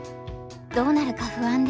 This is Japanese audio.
どうなるか不安で。